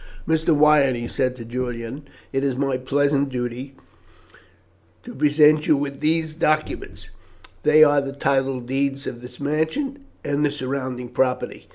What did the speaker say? "Mr. Wyatt," he said to Julian, "it is my pleasant duty to present you with these documents. They are the title deeds of this mansion and the surrounding property.